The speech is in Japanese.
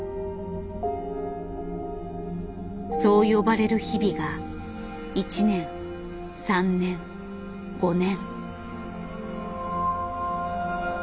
そう呼ばれる日々が１年３年５年。